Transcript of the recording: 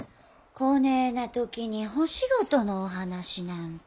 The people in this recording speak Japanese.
こねえな時にお仕事のお話なんて。